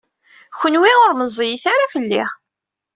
Kenwi ur meẓẓiyit ara fell-i.